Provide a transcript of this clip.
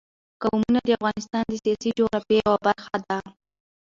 قومونه د افغانستان د سیاسي جغرافیه یوه برخه ده.